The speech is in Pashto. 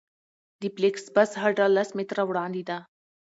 د فلېکس بس هډه لس متره وړاندې ده